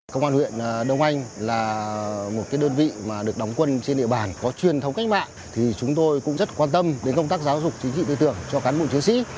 công an huyện đông anh là một đơn vị mà được đóng quân trên địa bàn có truyền thống cách mạng thì chúng tôi cũng rất quan tâm đến công tác giáo dục chính trị tư tưởng cho cán bộ chiến sĩ